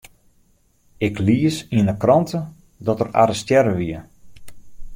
Ik lies yn 'e krânte dat er arrestearre wie.